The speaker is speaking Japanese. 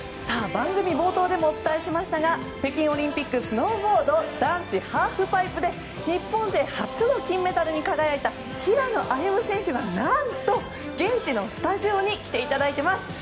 番組冒頭でもお伝えしましたが北京オリンピックスノーボード男子ハーフパイプで日本勢初の金メダルに輝いた平野歩夢選手が何と現地のスタジオに来ていただいています。